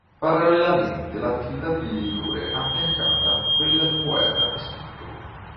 Parallelamente all'attività di editore, affianca quella di poeta e scrittore.